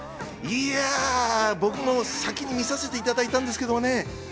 いや、僕も先に見させていただいたんですけどね。